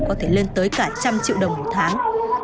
có thể lên tới cả trăm triệu đồng một tháng